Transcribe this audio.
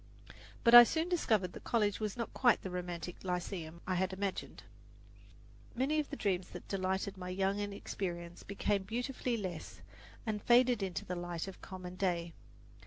But I soon discovered that college was not quite the romantic lyceum I had imagined. Many of the dreams that had delighted my young inexperience became beautifully less and "faded into the light of common day."